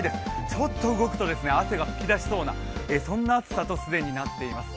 ちょっと動くと汗が噴き出しそうな暑さと既になっています。